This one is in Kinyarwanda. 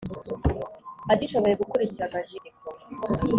agishoboye gukurikirana nyir inyandiko